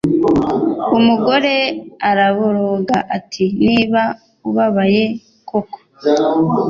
umugore araboroga ati niba ubabaye koko